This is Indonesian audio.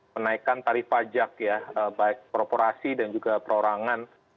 menaikan tarif pajak ya baik korporasi dan juga perorangan